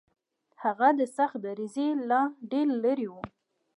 هغه د سختدریځۍ لا ډېر لرې و.